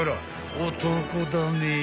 ［男だねぇ］